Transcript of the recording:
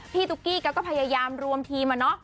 พี่ตุ๊กกี้ก็ก็พยายามรวมทีมาเนาะ